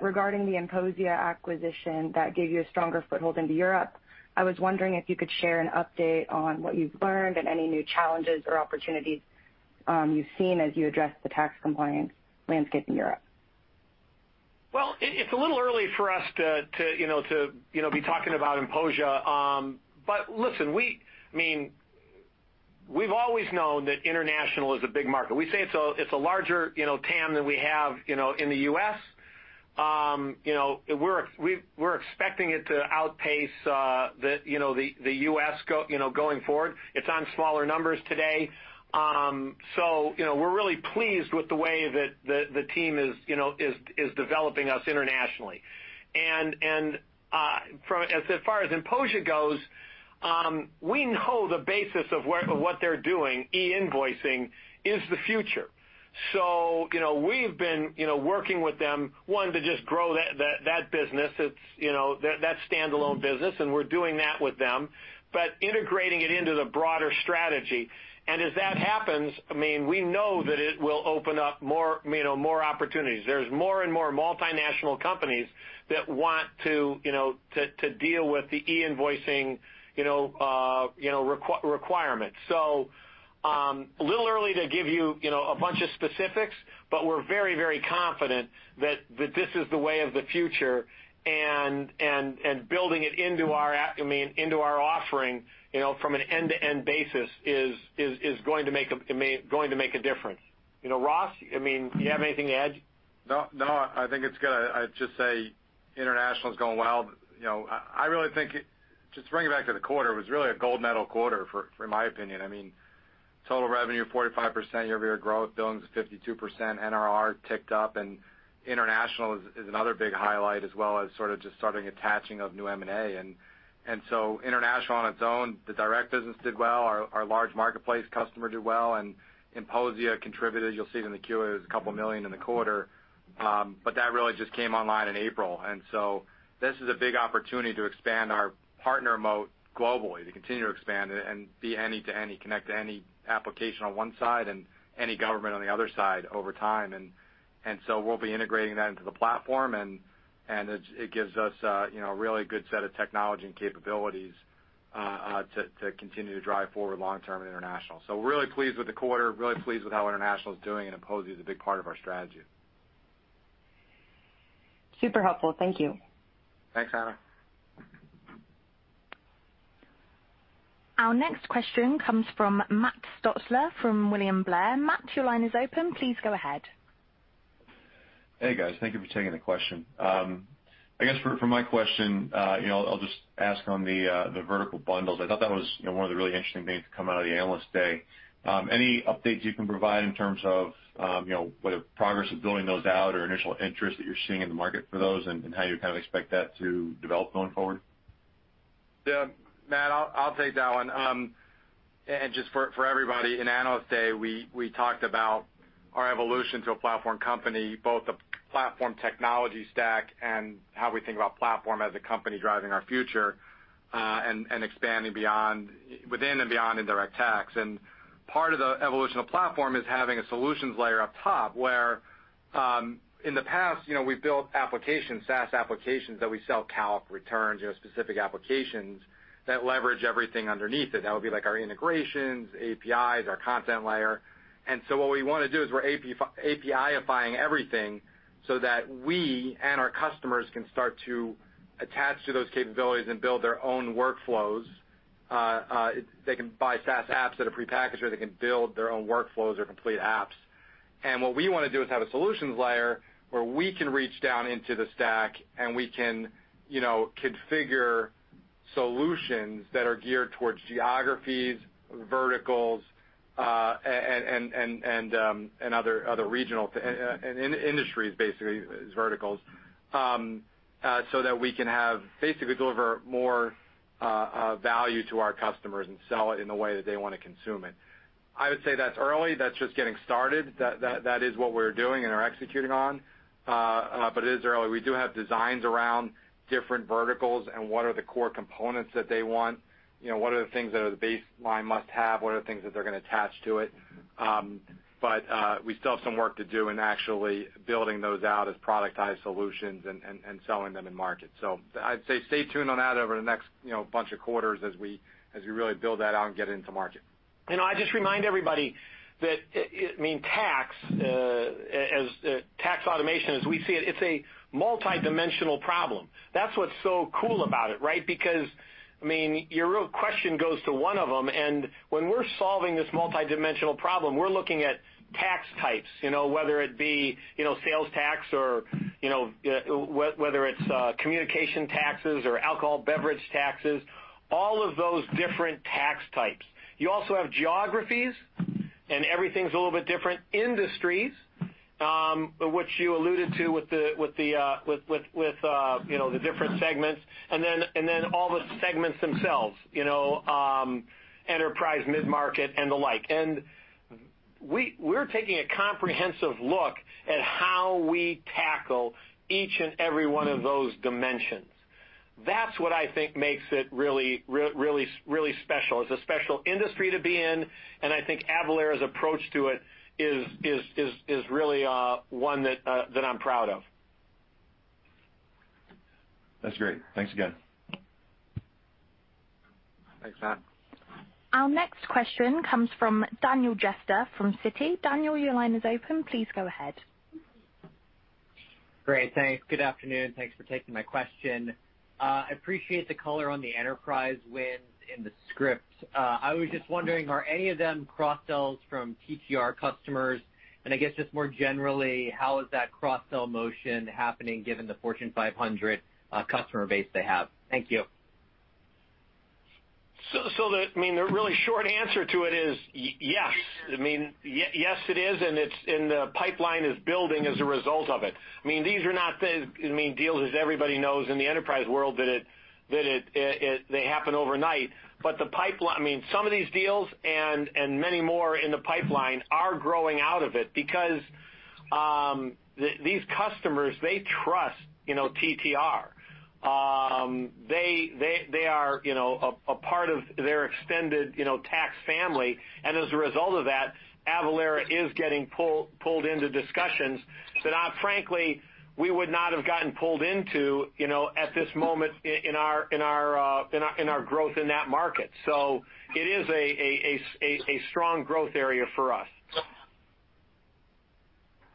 Regarding the INPOSIA acquisition that gave you a stronger foothold into Europe, I was wondering if you could share an update on what you've learned and any new challenges or opportunities you've seen as you address the tax compliance landscape in Europe. Well, it's a little early for us to be talking about INPOSIA. Listen, we've always known that international is a big market. We say it's a larger TAM than we have in the U.S. We're expecting it to outpace the U.S. going forward. It's on smaller numbers today. We're really pleased with the way that the team is developing us internationally. As far as INPOSIA goes, we know the basis of what they're doing, e-invoicing, is the future. We've been working with them, one, to just grow that standalone business, and we're doing that with them, integrating it into the broader strategy. As that happens, we know that it will open up more opportunities. There's more and more multinational companies that want to deal with the e-invoicing requirements. A little early to give you a bunch of specifics, but we're very confident that this is the way of the future and building it into our offering from an end-to-end basis is going to make a difference. Ross, do you have anything to add? No. I think it's good. I'd just say international is going well. Just bring it back to the quarter, it was really a gold medal quarter for my opinion. Total revenue, 45% year-over-year growth. Billings was 52%. NRR ticked up and international is another big highlight as well as sort of just starting attaching of new M&A. International on its own, the direct business did well. Our large marketplace customer did well, and INPOSIA contributed. You'll see it in the Q, it was a couple million in the quarter. That really just came online in April. This is a big opportunity to expand our partner moat globally, to continue to expand it and be any to any, connect to any application on one side and any government on the other side over time. We'll be integrating that into the platform, and it gives us a really good set of technology and capabilities to continue to drive forward long-term international. We're really pleased with the quarter, really pleased with how international is doing, and INPOSIA is a big part of our strategy. Super helpful. Thank you. Thanks, Hannah. Our next question comes from Matt Stotler from William Blair. Matt, your line is open. Please go ahead. Hey, guys. Thank you for taking the question. I guess for my question, I'll just ask on the vertical bundles. I thought that was one of the really interesting things to come out of the Analyst Day. Any updates you can provide in terms of progress of building those out or initial interest that you're seeing in the market for those and how you kind of expect that to develop going forward? Matt, I'll take that one. Just for everybody, in Analyst Day, we talked about our evolution to a platform company, both the platform technology stack and how we think about platform as a company driving our future, and expanding within and beyond indirect tax. Part of the evolution of platform is having a solutions layer up top, where in the past, we built applications, SaaS applications that we sell calc returns, specific applications that leverage everything underneath it. That would be like our integrations, APIs, our content layer. What we want to do is we're API-ifying everything so that we and our customers can start to attach to those capabilities and build their own workflows. They can buy SaaS apps that are prepackaged, or they can build their own workflows or complete apps. What we want to do is have a solutions layer where we can reach down into the stack and we can configure solutions that are geared towards geographies, verticals, and other regional, and industries, basically, as verticals, so that we can basically deliver more value to our customers and sell it in the way that they want to consume it. I would say that's early. That's just getting started. That is what we're doing and are executing on. It is early. We do have designs around different verticals and what are the core components that they want, what are the things that are the baseline must-have, what are the things that they're going to attach to it. We still have some work to do in actually building those out as productized solutions and selling them in market. I'd say stay tuned on that over the next bunch of quarters as we really build that out and get into market. I just remind everybody that tax automation, as we see it's a multidimensional problem. That's what's so cool about it, right. Your real question goes to one of them, and when we're solving this multidimensional problem, we're looking at tax types, whether it be sales tax or whether it's communication taxes or alcohol beverage taxes, all of those different tax types. You also have geographies, and everything's a little bit different. Industries, which you alluded to with the different segments. All the segments themselves, enterprise, mid-market, and the like. We're taking a comprehensive look at how we tackle each and every one of those dimensions. That's what I think makes it really special. It's a special industry to be in, and I think Avalara's approach to it is really one that I'm proud of. That's great. Thanks again. Thanks, Matt. Our next question comes from Daniel Jester from Citi. Daniel, your line is open. Please go ahead. Great. Thanks. Good afternoon. Thanks for taking my question. I appreciate the color on the enterprise wins in the script. I was just wondering, are any of them cross-sells from TTR customers? I guess just more generally, how is that cross-sell motion happening given the Fortune 500 customer base they have? Thank you. The really short answer to it is yes. Yes, it is, and the pipeline is building as a result of it. These are not deals, as everybody knows in the enterprise world, that they happen overnight. Some of these deals and many more in the pipeline are growing out of it because these customers, they trust TTR. They are a part of their extended tax family, and as a result of that, Avalara is getting pulled into discussions that frankly, we would not have gotten pulled into at this moment in our growth in that market. It is a strong growth area for us.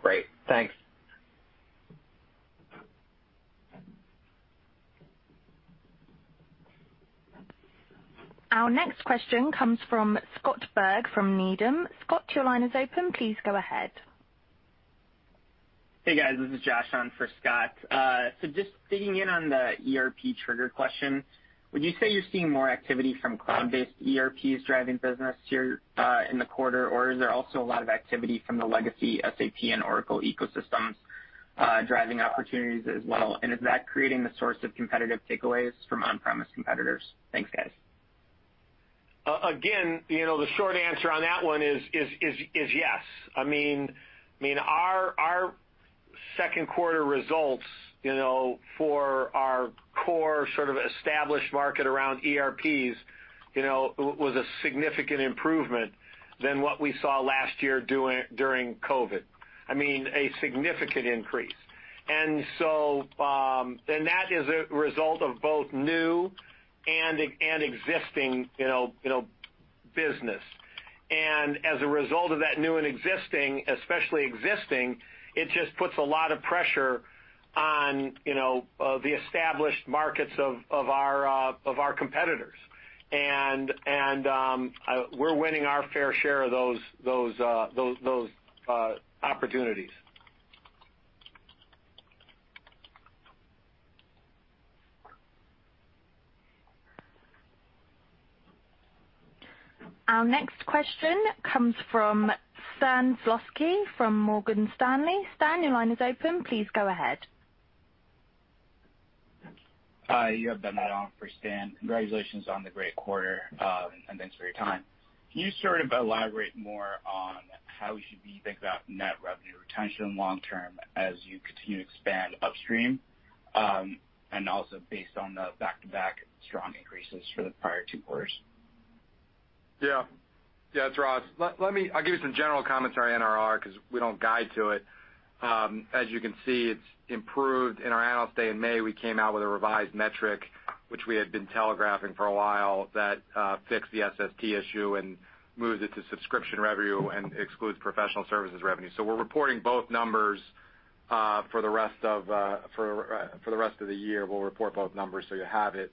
Great. Thanks. Our next question comes from Scott Berg from Needham. Scott, your line is open. Please go ahead. Hey, guys. This is Josh on for Scott. Just digging in on the ERP trigger question, would you say you're seeing more activity from cloud-based ERPs driving business here in the quarter, or is there also a lot of activity from the legacy SAP and Oracle ecosystems driving opportunities as well? Is that creating the source of competitive takeaways from on-premise competitors? Thanks, guys. The short answer on that one is yes. Our second quarter results for our core sort of established market around ERPs was a significant improvement than what we saw last year during COVID. A significant increase. That is a result of both new and existing business. As a result of that new and existing, especially existing, it just puts a lot of pressure on the established markets of our competitors. We're winning our fair share of those opportunities. Our next question comes from Stan Zlotsky from Morgan Stanley. Stan, your line is open. Please go ahead. Hi, you have [Ben Mayton] for Stan. Congratulations on the great quarter, and thanks for your time. Can you sort of elaborate more on how we should be thinking about net revenue retention long term as you continue to expand upstream, and also based on the back-to-back strong increases for the prior two quarters? It's Ross. I'll give you some general comments on our NRR because we don't guide to it. As you can see, it's improved. In our Analyst Day in May, we came out with a revised metric, which we had been telegraphing for a while, that fixed the SST issue and moves it to subscription revenue and excludes professional services revenue. We're reporting both numbers. For the rest of the year, we'll report both numbers, so you have it.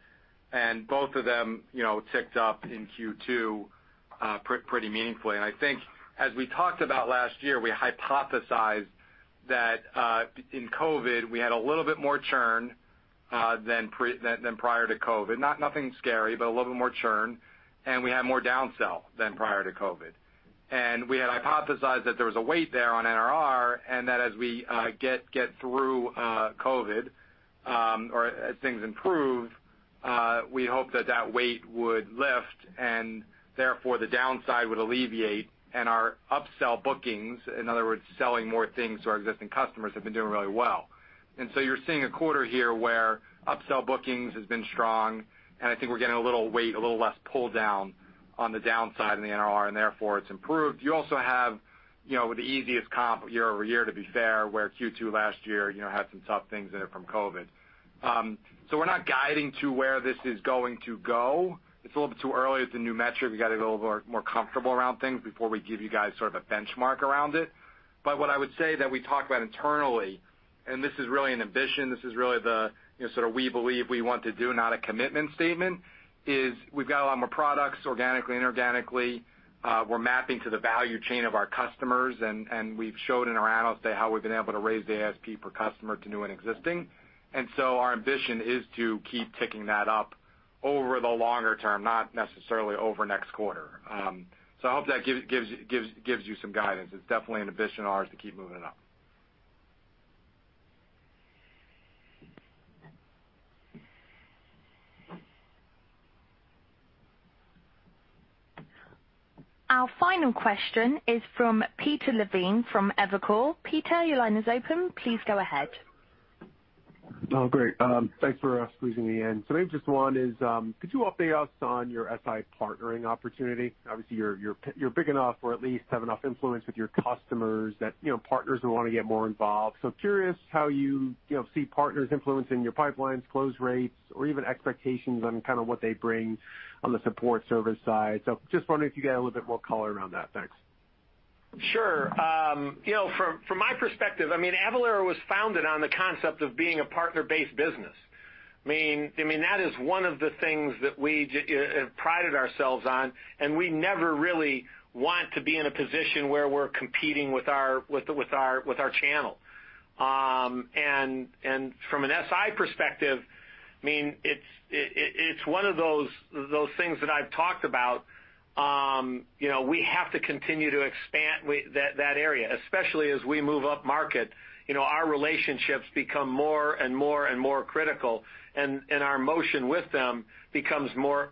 Both of them ticked up in Q2 pretty meaningfully. I think as we talked about last year, we hypothesized that in COVID, we had a little bit more churn than prior to COVID. Nothing scary, but a little bit more churn, and we had more down-sell than prior to COVID. We had hypothesized that there was a weight there on NRR, and that as we get through COVID-19, or as things improve, we hope that that weight would lift and therefore the downside would alleviate and our up-sell bookings, in other words, selling more things to our existing customers, have been doing really well. You're seeing a quarter here where up-sell bookings has been strong, and I think we're getting a little weight, a little less pull down on the downside in the NRR, and therefore it's improved. You also have the easiest comp year-over-year to be fair, where Q2 last year had some tough things in it from COVID-19. We're not guiding to where this is going to go. It's a little bit too early. It's a new metric. We got to get a little more comfortable around things before we give you guys sort of a benchmark around it. What I would say that we talk about internally, and this is really an ambition, this is really the sort of we believe we want to do, not a commitment statement, is we've got a lot more products organically and inorganically. We're mapping to the value chain of our customers, we've showed in our Analyst Day how we've been able to raise the ASP per customer to new and existing. Our ambition is to keep ticking that up over the longer term, not necessarily over next quarter. I hope that gives you some guidance. It's definitely an ambition of ours to keep moving it up. Our final question is from Peter Levine from Evercore. Peter, your line is open. Please go ahead. Oh, great. Thanks for squeezing me in. Maybe just one is, could you update us on your SI partnering opportunity? Obviously, you're big enough or at least have enough influence with your customers that partners will want to get more involved. Curious how you see partners influencing your pipelines, close rates, or even expectations on kind of what they bring on the support service side. Just wondering if you could add a little bit more color around that. Thanks. Sure. From my perspective, Avalara was founded on the concept of being a partner-based business. That is one of the things that we prided ourselves on, and we never really want to be in a position where we're competing with our channel. From an SI perspective, it's one of those things that I've talked about. We have to continue to expand that area, especially as we move up market, our relationships become more and more critical, and our motion with them becomes more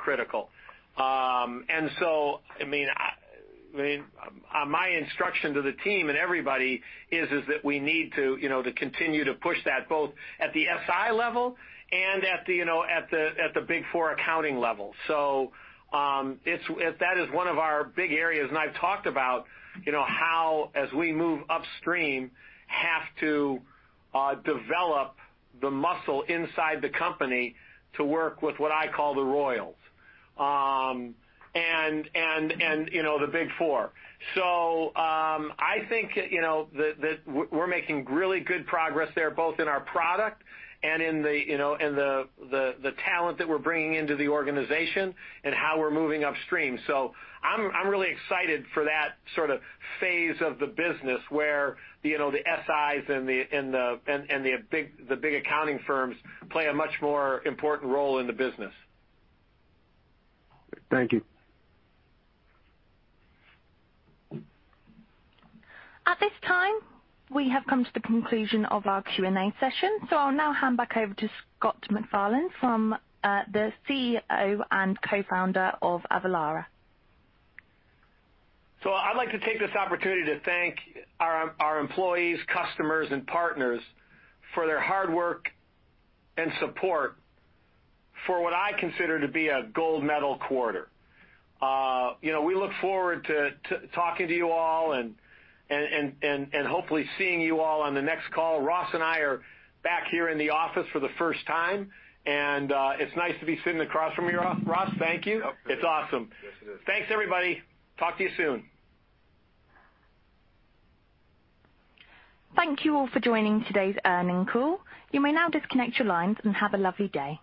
critical. My instruction to the team and everybody is that we need to continue to push that both at the SI level and at the Big Four accounting level. That is one of our big areas, and I've talked about how as we move upstream, have to develop the muscle inside the company to work with what I call the Royals and the Big Four. I think that we're making really good progress there, both in our product and in the talent that we're bringing into the organization, and how we're moving upstream. I'm really excited for that sort of phase of the business where the SIs and the big accounting firms play a much more important role in the business. Thank you. At this time, we have come to the conclusion of our Q&A session. I'll now hand back over to Scott McFarlane from the CEO and Co-founder of Avalara. I'd like to take this opportunity to thank our employees, customers, and partners for their hard work and support for what I consider to be a gold medal quarter. We look forward to talking to you all and hopefully seeing you all on the next call. Ross and I are back here in the office for the first time, and it's nice to be sitting across from you, Ross. Thank you. Yep. It's awesome. Yes, it is. Thanks, everybody. Talk to you soon. Thank you all for joining today's earnings call. You may now disconnect your lines and have a lovely day.